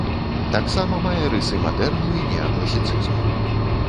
Таксама мае рысы мадэрну і неакласіцызму.